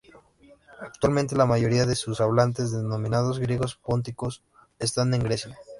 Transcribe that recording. Actualmente la mayoría de sus hablantes, denominados griegos pónticos, están en Grecia.